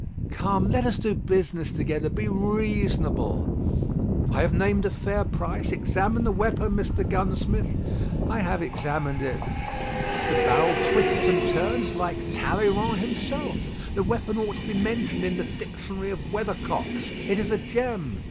"Come, let us do business together. Be reasonable." "I have named a fair price. Examine the weapon, Mr. Gunsmith." "I have examined it." "The barrel twists and turns like Talleyrand himself. The weapon ought to be mentioned in the Dictionary of Weathercocks. It is a gem."